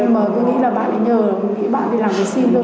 mà tôi nghĩ là bạn ấy nhờ tôi nghĩ bạn ấy làm cái sim thôi